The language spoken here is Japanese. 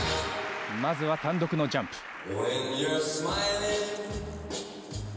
まずは単独のジャンプ。